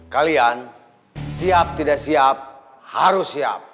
kalian siap tidak siap harus siap